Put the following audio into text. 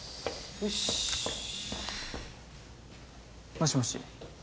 もしもし。